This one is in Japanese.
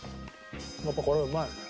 やっぱこれうまいね。